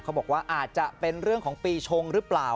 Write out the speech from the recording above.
เขาบอกว่าอาจจะเป็นเรื่องของปีชงหรือเปล่า